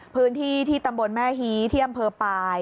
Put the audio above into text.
พื้นที่ที่ตำบลแม่ฮีที่อำเภอปลาย